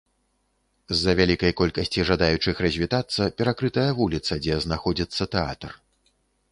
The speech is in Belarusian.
З-за вялікай колькасці жадаючых развітацца перакрытая вуліца, дзе знаходзіцца тэатр.